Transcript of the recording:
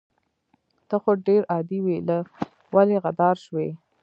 ته خو ډير عادي وي ولې غدار شوي